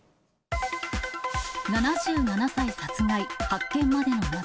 ７７歳殺害、発見までの謎。